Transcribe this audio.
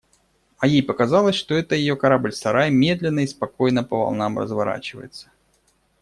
А ей показалось, что это ее корабль-сарай медленно и спокойно по волнам разворачивается.